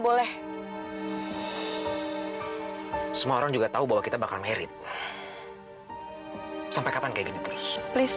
boleh semua orang juga tahu bahwa kita bakal merit sampai kapan kayak gini terus please